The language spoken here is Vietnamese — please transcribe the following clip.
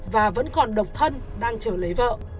và vẫn còn độc thân đang chờ lấy vợ